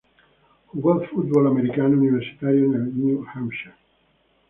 Jugó fútbol americano universitario en New Hampshire.